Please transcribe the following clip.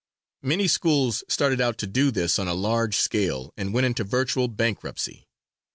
Many schools started out to do this on a large scale and went into virtual bankruptcy.